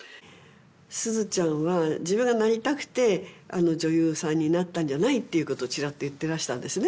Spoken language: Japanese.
すずちゃんは自分がなりたくて女優さんになったんじゃないっていうことをちらっと言ってらしたんですね